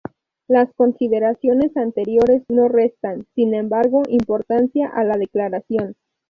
Las consideraciones anteriores no restan, sin embargo, importancia a la Declaración.